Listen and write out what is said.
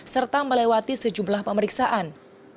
serta melewati sejumlah pemeriksaan